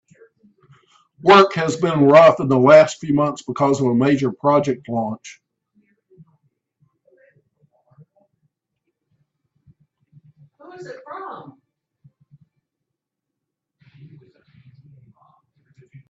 Work has been rough in the last few months because of a major project launch.